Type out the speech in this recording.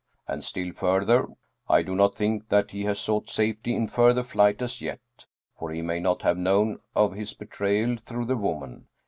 And still further : I do not think that he has sought safety in further flight as yet, for he may not have known of his betrayal through the woman.